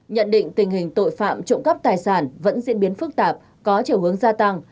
nhận định tình hình tội phạm trộm cắp tài sản vẫn diễn biến phức tạp có chiều hướng gia tăng